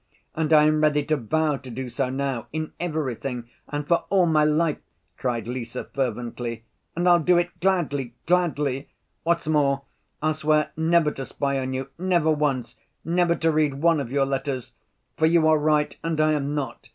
And I am ready to vow to do so now—in everything, and for all my life!" cried Lise fervently, "and I'll do it gladly, gladly! What's more, I'll swear never to spy on you, never once, never to read one of your letters. For you are right and I am not.